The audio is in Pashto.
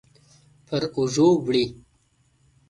پر اوږو وړي